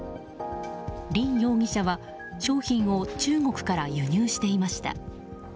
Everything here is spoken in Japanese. リン容疑者は商品を中国から輸入していました。